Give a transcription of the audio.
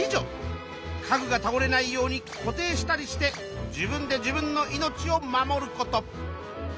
家具がたおれないように固定したりして自分で自分の命を守ること。